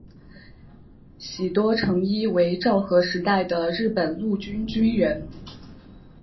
喜多诚一为昭和时代的日本陆军军人。